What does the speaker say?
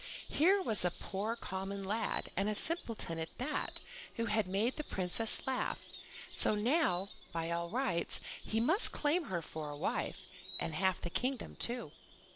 Here was a poor common lad, and a simpleton at that, who had made the Princess laugh; so now, by all rights, he might claim her for a wife, and the half of the kingdom, too.